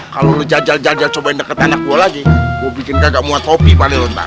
kalau lu jajal jajal cobain deket anak gue lagi gue bikin kagak muat topi balik lu ntar